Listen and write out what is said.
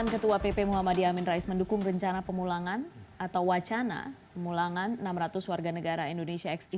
ketua pp muhammadiyah amin rais mendukung rencana pemulangan atau wacana pemenulangan enam ratus warganegara indonesia